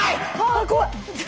あ怖い。